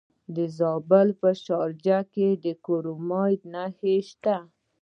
د زابل په شاجوی کې د کرومایټ نښې شته.